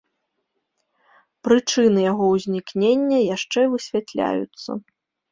Прычыны яго ўзнікнення яшчэ высвятляюцца.